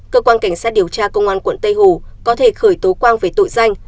cơ quan cảnh sát điều tra công an quận tây hồ có thể khởi tố quang về tội danh